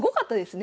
ね